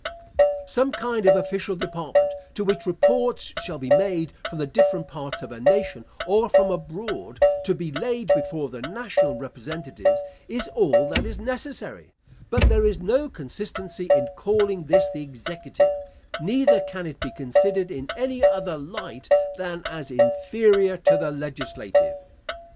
Some kind of official department, to which reports shall be made from the different parts of a nation, or from abroad, to be laid before the national representatives, is all that is necessary; but there is no consistency in calling this the executive; neither can it be considered in any other light than as inferior to the legislative.